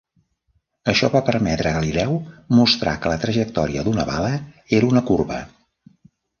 Això va permetre a Galileu mostrar que la trajectòria d'una bala era una corba.